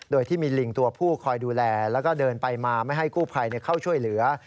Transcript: โดยที่มีลิงตัวผู้คอยดูแลแล้วก็เดินไปมาไม่ให้กู้ภัยเข้าช่วยเหลือ